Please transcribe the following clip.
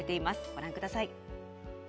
ご覧ください。